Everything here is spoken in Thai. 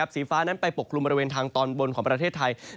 สีฟ้านั้นไปปกคลุมบริเวณทางตอนบนของประเทศไทย